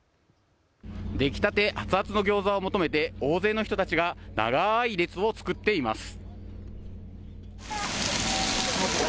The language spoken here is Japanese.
出来たて熱々のギョーザを求めて大勢の人たちが長い列を作っています。